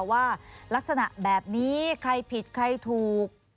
ว่าลักษณะแบบนี้ใครผิดใครถูก